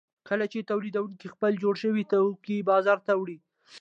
کله چې تولیدونکي خپل جوړ شوي توکي بازار ته وړي